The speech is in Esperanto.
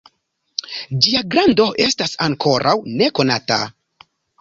Ĝia grando estas ankoraŭ nekonata.